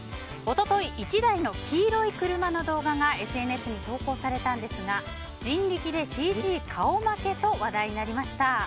一昨日、１台の黄色い車の動画がＳＮＳに投稿されたんですが人力でＣＧ顔負けと話題になりました。